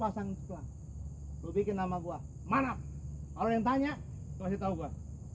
kalau mau duit pasang bikin nama gua mana kalau yang tanya kau tahu gua